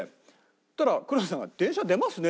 そしたら黒田さんが「電車出ますね」